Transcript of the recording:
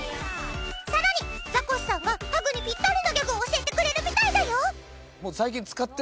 さらにザコシさんがハグにピッタリなギャグを教えてくれるみたいだよ。